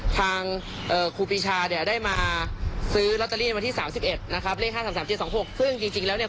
๓๕๓๗๒๖ซึ่งจริงจริงแล้วเนี่ย